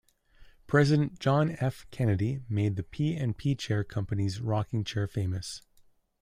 President John F. Kennedy made the P and P Chair Company's rocking chair famous.